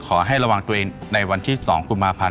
ขอให้ระวังตัวเองในวันที่๒กุมภาพันธ์